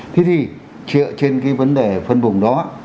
thế thì trịa trên vấn đề phân vùng đó